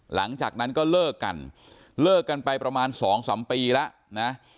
หลังจากนั้นก็เลิกกันเลิกกันไปประมาณสองสามปีแล้วนะ